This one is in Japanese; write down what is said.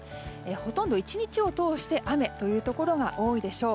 ほとんど１日を通して雨のところが多いでしょう。